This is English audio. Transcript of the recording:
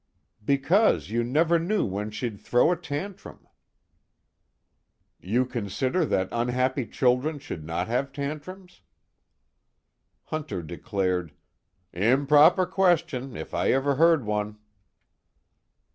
"Because you never knew when she'd throw a tantrum." "You consider that unhappy children should not have tantrums?" Hunter declared: "Improper question, if I ever heard one."